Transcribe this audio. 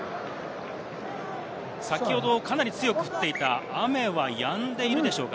先ほどかなり強く降っていた雨はやんでいるでしょうか。